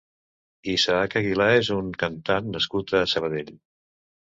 Isaak Aguilà és un cantant nascut a Sabadell.